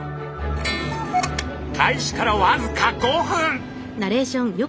開始からわずか５分。